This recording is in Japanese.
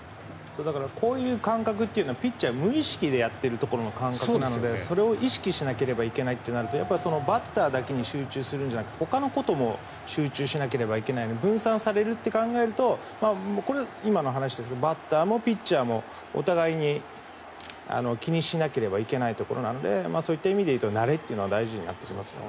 こういう感覚というのはピッチャーは無意識でやっているところの感覚なのでそれを意識しなければいけないとなるとバッターだけに集中するんじゃなくてほかのことも集中しなければいけないので分散されるって考えるとこれ、今の話ですがバッターもピッチャーもお互いに気にしなければいけないところなのでそういった意味でいうと慣れは大事になってきますね。